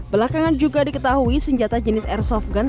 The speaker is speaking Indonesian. belakangan juga diketahui senjata jenis airsoft gun